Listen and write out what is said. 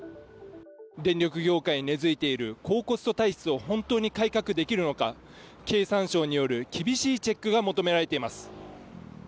電力業界に根付いている高コスト体質を本当に改革できるのか、経産省による厳しいチェックが求められています。